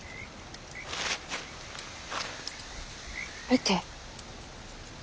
見て。